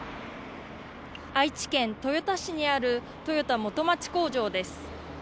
愛知県豊田市にあるトヨタ元町工場です。